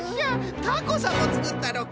タコさんもつくったのか。